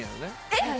えっ！？